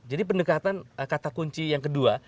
pendekatan kata kunci yang kedua